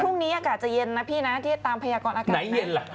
ช่วงนี้อากาศจะเย็นนะพี่นะที่จะตามพยากรอากาศไหนเย็นล่ะ